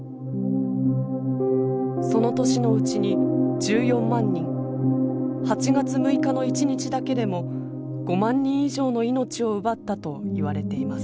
その年のうちに１４万人８月６日の一日だけでも５万人以上の命を奪ったといわれています。